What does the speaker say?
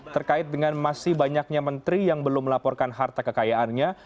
terkait dengan masih banyaknya menteri yang belum melaporkan harta kekayaannya